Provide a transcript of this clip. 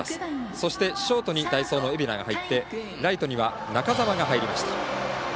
そしてショートに代走の蝦名が入ってライトには中沢が入りました。